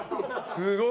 すごい。